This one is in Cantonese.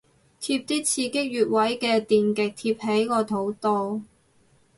貼啲刺激穴位嘅電極貼喺個肚度